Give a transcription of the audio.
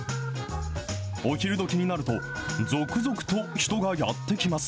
お昼どきになると、続々と人がやって来ます。